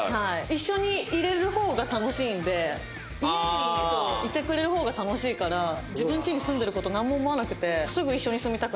一緒にいれる方が楽しいんで家にいてくれる方が楽しいから自分ちに住んでる事なんも思わなくて。